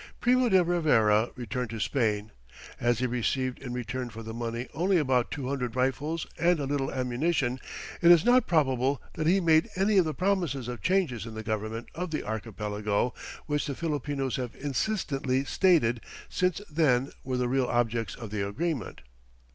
Primo de Rivera returned to Spain. As he received in return for the money only about two hundred rifles and a little ammunition, it is not probable that he made any of the promises of changes in the government of the archipelago which the Filipinos have insistently stated since then were the real objects of the agreement.